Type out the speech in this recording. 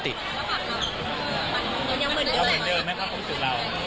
ยังเหมือนเดิมไม่ภาพความจึงเรา